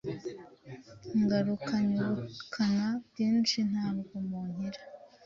Ngarukanye ubukana bwinshi ntabwo munkira